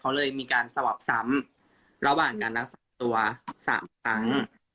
เขาเลยมีการสวอปซ้ำระหว่างการรักษาตัว๓ครั้ง